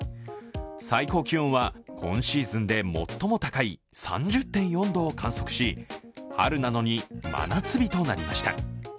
最高気温は今シーズンで最も高い３０．４度を観測し春なのに、真夏日となりました。